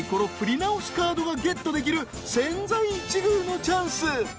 直しカードがゲットできる千載一遇のチャンス